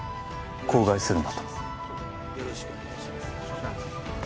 口外するなと。